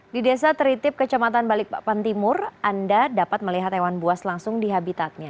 di desa teritip kecamatan balikpapan timur anda dapat melihat hewan buas langsung di habitatnya